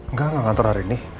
nggak nggak kantor hari ini